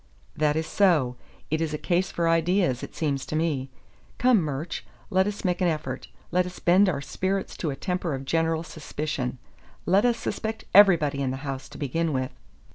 "That is so. It is a case for ideas, it seems to me. Come, Murch, let us make an effort; let us bend our spirits to a temper of general suspicion. Let us suspect everybody in the house, to begin with.